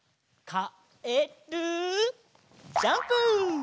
かえるジャンプ！